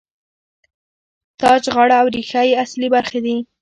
تاج، غاړه او ریښه یې اصلي برخې دي.